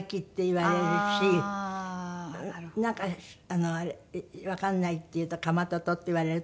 なんか「わかんない」って言うと「カマトト」って言われたりとか。